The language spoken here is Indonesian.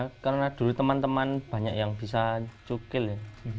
ya karena dulu teman teman banyak yang bisa cukil ya